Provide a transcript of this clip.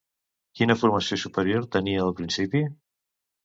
Quina formació superior tenia al principi?